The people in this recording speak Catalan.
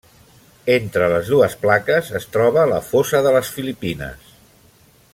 Entre les dues plaques es troba la fossa de les Filipines.